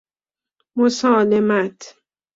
مسالمت